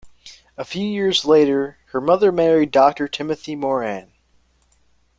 A few years later, her mother married Doctor Timothy Moran.